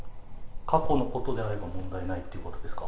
過去のことであれば、問題ないってことですか？